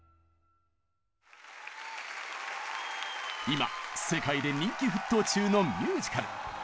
今世界で人気沸騰中のミュージカル。